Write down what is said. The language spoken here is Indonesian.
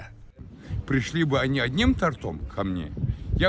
ketika mereka datang ke saya dengan satu jembatan saya akan memberi mereka dua